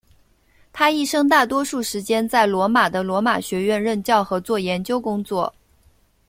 他一生大多数时间在罗马的罗马学院任教和做研究工作。